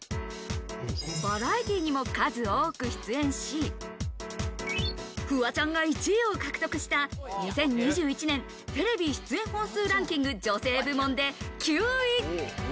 バラエティーにも数多く出演し、フワちゃんが１位を獲得した２０２１年テレビ出演本数ランキング女性部門で９位。